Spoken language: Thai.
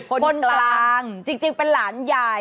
คนกลางจริงเป็นหลานใหญ่